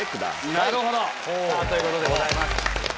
なるほどということでございます。